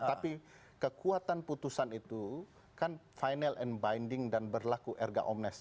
tapi kekuatan putusan itu kan final and binding dan berlaku erga omnes